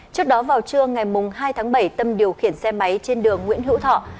trước đó vào trưa ngày hai tháng bảy tâm điều khiển xe máy trên đường nguyễn hữu thọ